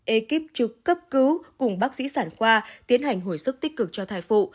ekip trực cấp cứu cùng bác sĩ sản khoa tiến hành hồi sức tích cực cho thai phụ